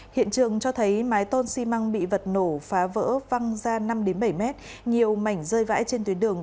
hiện trường cho thấy mái tôn xi măng bị vật nổ phá vỡ văng ra năm bảy mét nhiều mảnh rơi vãi trên tuyến đường